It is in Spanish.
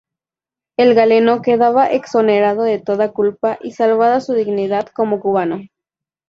El galeno quedaba exonerado de toda culpa y salvada su dignidad como cubano.